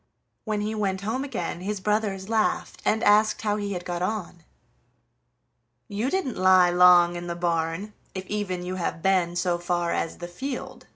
When he went home again his brothers laughed and asked how he had got on. "You didn't lie long in the barn, if even you have been so far as the field!"